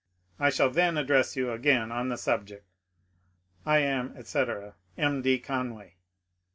I shall then address you again on the subject. I am, etc., M. D. Conway.